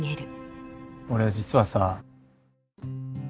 俺実はさ。